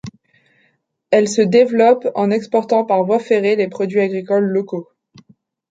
Elle se développe en exportant par voie ferrée les produits agricoles locaux.